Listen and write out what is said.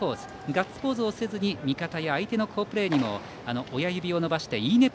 ガッツポーズをせずに味方や相手の好プレーにも親指を伸ばしていいね